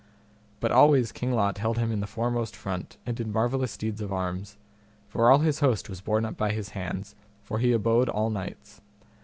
But always King Lot held him in the foremost front, and did marvellous deeds of arms, for all his host was borne up by his hands, for he abode all knights.